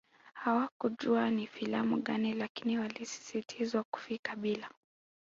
Hawakujua ni filamu gani lakini walisisitizwa kufika bila